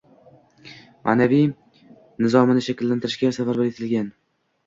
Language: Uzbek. ma’naviy nizomini shakllantirishga safarbar etilgan.